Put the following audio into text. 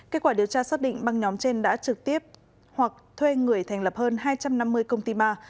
kết quả điều tra xác định băng nhóm trên đã trực tiếp hoặc thuê người thành lập hơn hai trăm năm mươi công ty ma